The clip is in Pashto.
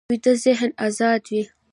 ویده ذهن ازاد وي